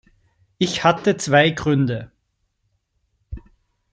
Ich hatte zwei Gründe.